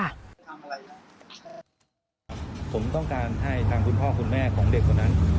ผมต้องการให้ทางคุณพ่อคุณแม่ของเด็กคนนั้น